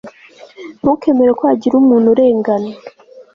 ntukemere ko hagira umuntu urengana